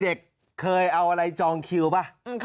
เด็กเคยเอาอะไรจองคิวป่ะ